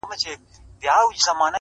زه د ساقي تر احترامه پوري پاته نه سوم؛